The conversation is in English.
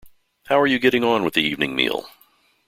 How are you getting on with the evening meal?